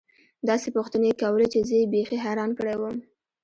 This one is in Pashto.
داسې پوښتنې يې کولې چې زه يې بيخي حيران کړى وم.